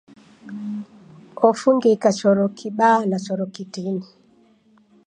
Ofungika choro kibaa na choro kitini.